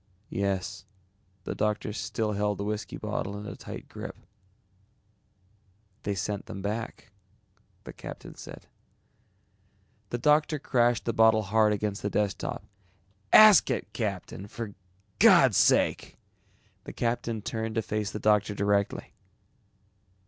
"Yes." The doctor still held the whiskey bottle in a tight grip. "They sent them back," the captain said. The doctor crashed the bottle hard against the desk top. "Ask it, Captain, for God's sake!!" The captain turned to face the doctor directly.